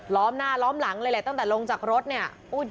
ล้อมหน้าล้อมหลังเลยแหละตั้งแต่ลงจากรถเนี่ย